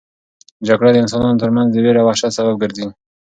جګړه د انسانانو ترمنځ د وېرې او وحشت سبب ګرځي.